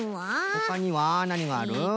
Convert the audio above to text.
ほかにはなにがある？